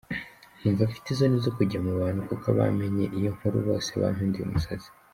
Numva mfite isoni zo kujya mu bantu kuko abamenye iyo nkuru bose bampinduye umusazi”.